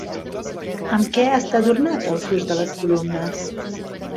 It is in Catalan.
Amb què està adornat el fust de les columnes?